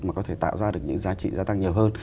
mà có thể tạo ra được những giá trị gia tăng nhiều hơn